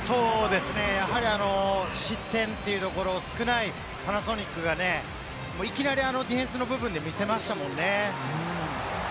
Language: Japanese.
やはり失点というところが少ないパナソニックがね、いきなりあの、ディフェンスの部分で見せましたもんね。